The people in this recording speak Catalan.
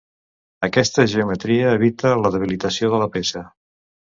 Aquesta geometria evita la debilitació de la peça.